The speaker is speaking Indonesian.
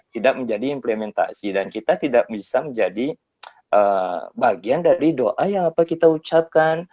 tidak menjadi implementasi dan kita tidak bisa menjadi bagian dari doa yang kita ucapkan